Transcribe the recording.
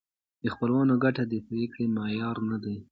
د خپلوانو ګټه د پرېکړې معیار نه دی.